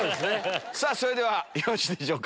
それではよろしいでしょうか。